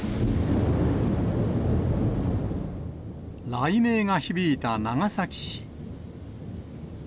雷鳴が響いた長崎市。